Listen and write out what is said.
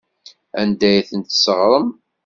Anda ay tent-tesseɣrem?